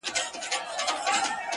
تا چي پر لمانځه له ياده وباسم.